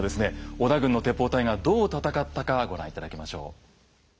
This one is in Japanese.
織田軍の鉄砲隊がどう戦ったかご覧頂きましょう。